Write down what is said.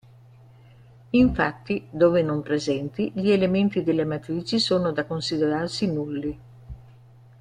Infatti, dove non presenti, gli elementi delle matrici sono da considerarsi nulli.